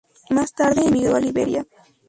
Más tarde emigró a Liberia.